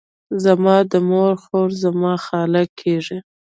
زما د مور خور، زما خاله کیږي.